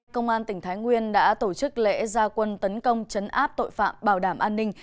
công an tỉnh thái nguyên đã tổ chức lễ gia quân tấn công chấn áp tội phạm bảo đảm an ninh